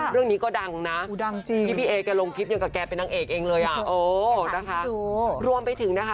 แล้วมุมของพี่เอ๋ต้องเอียงแบบนี้นะคะ